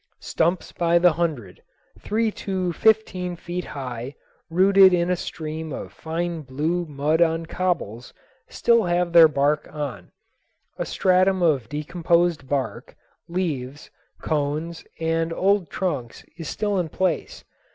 Stumps by the hundred, three to fifteen feet high, rooted in a stream of fine blue mud on cobbles, still have their bark on. A stratum of decomposed bark, leaves, cones, and old trunks is still in place.